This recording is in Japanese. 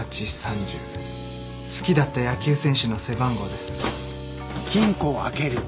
好きだった野球選手の背番号です。